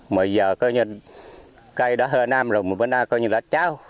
mà giờ coi như cây đã hờ nam rồi mà bây giờ coi như là cháu